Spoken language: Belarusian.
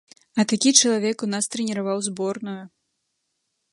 А такі чалавек у нас трэніраваў зборную!